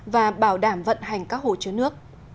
và bảo đảm vận hành các hồ chứa nước